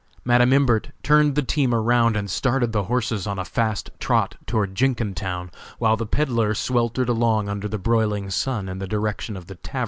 Madam Imbert turned the team around and started the horses on a fast trot toward Jenkintown, while the peddler sweltered along under the broiling sun in the direction of the tavern.